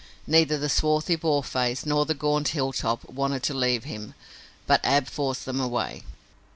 Neither the swarthy Boarface nor the gaunt Hilltop wanted to leave him, but Ab forced them away.